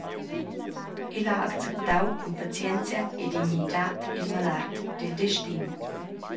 El ha acceptau cun pazienzia e dignitad il malart dil destin.